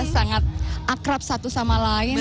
sangat akrab satu sama lain